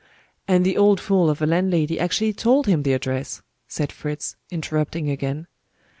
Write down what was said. "And the old fool of a landlady actually told him the address," said Fritz, interrupting again.